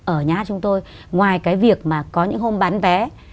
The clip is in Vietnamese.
ở nhà hát chúng tôi ngoài cái việc mà có những hôm bán vé